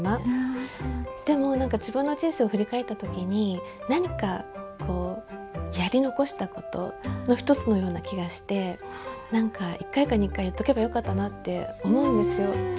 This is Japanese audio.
でも自分の人生を振り返った時に何かやり残したことの一つのような気がして何か１回か２回言っとけばよかったなって思うんですよ。